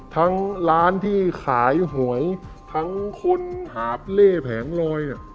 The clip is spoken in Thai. ร้านที่ขายหวยทั้งคนหาบเล่แผงลอย